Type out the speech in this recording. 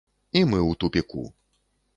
І мы ў тупіку.